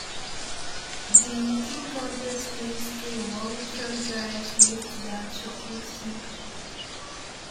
The eating contest leads to a long truck drives leads to that 'shocking secret'.